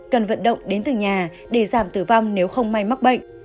cần vận động đến từng nhà để giảm tử vong nếu không may mắc bệnh